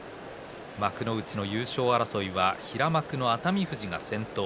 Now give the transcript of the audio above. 幕内の優勝争いは平幕の熱海富士が先頭。